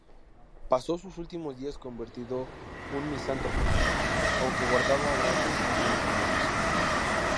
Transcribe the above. Pasó sus últimos días convertido en un misántropo, aunque guardaba grandes y fieles amigos.